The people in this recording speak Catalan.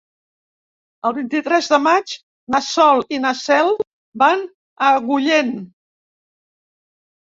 El vint-i-tres de maig na Sol i na Cel van a Agullent.